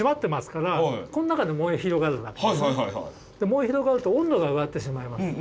燃え広がると温度が上がってしまいます。